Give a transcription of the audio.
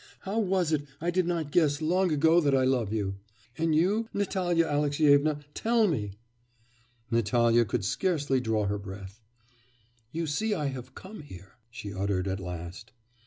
How was it I did not guess long ago that I love you? And you? Natalya Alexyevna, tell me!' Natalya could scarcely draw her breath. 'You see I have come here,' she uttered, at last.